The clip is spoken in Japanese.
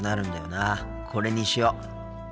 これにしよう。